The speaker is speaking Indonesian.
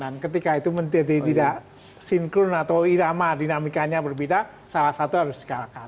dan ketika itu tidak sinkron atau irama dinamikanya berbeda salah satu harus dikalkan